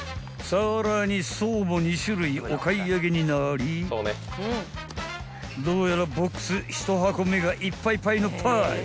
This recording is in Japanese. ［さらに爽も２種類お買い上げになりどうやらボックス１箱目がいっぱいぱいのぱい］